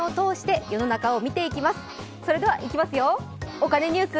お金ニュース」。